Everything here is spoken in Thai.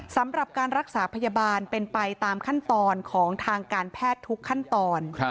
สำหรับการรักษาพยาบาลเป็นไปตามขั้นตอนของทางการแพทย์ทุกขั้นตอน